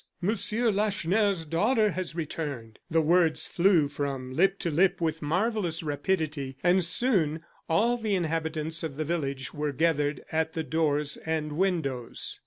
"Monsieur Lacheneur's daughter has returned!" The words flew from lip to lip with marvellous rapidity, and soon all the inhabitants of the village were gathered at the doors and windows.